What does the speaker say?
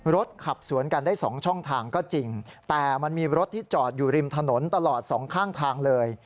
รถขับสวนกันได้สองช่องทางก็จริงแต่มันมีรถที่จอดอยู่ริมถนนตลอดสองข้างทางเลย